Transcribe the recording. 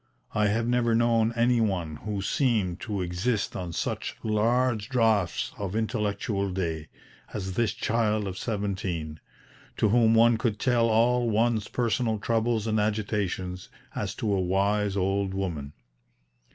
I have never known any one who seemed to exist on such "large draughts of intellectual day" as this child of seventeen, to whom one could tell all one's personal troubles and agitations, as to a wise old woman.